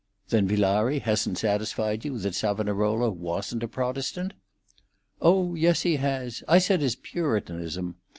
"Then Villari hasn't satisfied you that Savonarola wasn't a Protestant?" "Oh yes, he has. I said his puritanism.